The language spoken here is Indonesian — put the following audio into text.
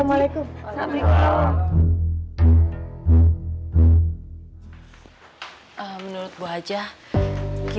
makasih banyak pak haji